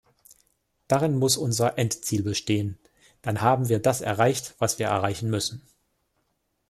Darin muss unser Endziel bestehen, dann haben wir das erreicht, was wir erreichen müssen.